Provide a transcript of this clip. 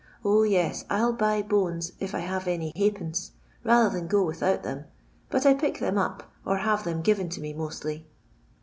0, yes, 1 '11 buy bones, if I have any ha'pence, nther than go without them ; but I pick them up, or have them given to nc mostly."